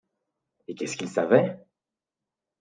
Et qu'est-ce qu'il savait ?